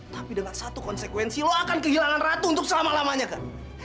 tapi dengan satu konsekuensi lo akan kehilangan ratu untuk selama lamanya kan